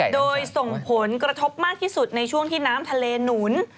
โดยส่งผลกระทบมากที่สุดในช่วงที่น้ำทะเลหนุน